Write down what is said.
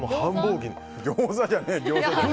ギョーザじゃない！